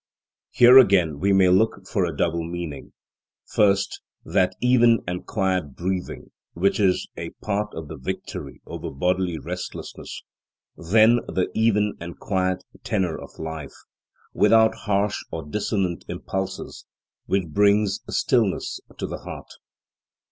Here again we may look for a double meaning: first, that even and quiet breathing which is a part of the victory over bodily restlessness; then the even and quiet tenor of life, without harsh or dissonant impulses, which brings stillness to the heart.